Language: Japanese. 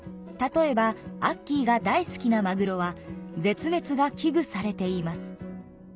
例えばアッキーが大好きなマグロは絶めつが危ぐされています。